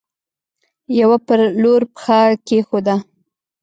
يوه پر لور پښه کيښوده.